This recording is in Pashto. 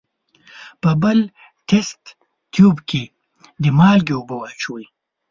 په بل تست تیوب کې د مالګې اوبه واچوئ.